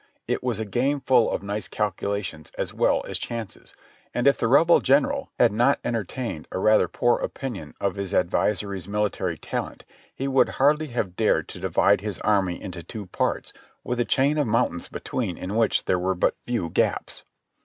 It was a game full of nice calculations as well as chances ; and if the Rebel general had not entertained a rather poor opinion of liis adversary's military talent, he would hardly have dared to divide his army into two parts with a chain of mountains between in which there were but few gaps.